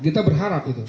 kita berharap itu